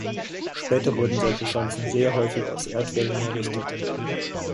Später wurden solche Schanzen sehr häufig aus Erdwällen errichtet.